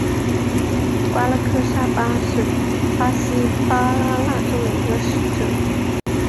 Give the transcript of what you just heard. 瓜拉克萨巴是巴西巴拉那州的一个市镇。